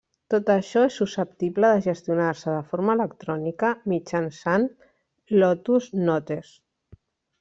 Tot això és susceptible de gestionar-se de forma electrònica mitjançant Lotus Notes.